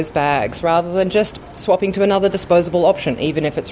sebaliknya hanya mengganti bagi konsumen plastik ke opsi yang bisa dihantar